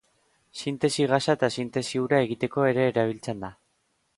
Sintesi gasa eta sintesi ura egiteko ere erabiltzen da.